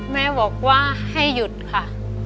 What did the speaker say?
แม่บอกว่าให้หยุดค่ะ